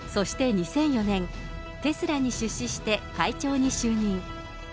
そして２００４年、テスラに出資して会長に就任。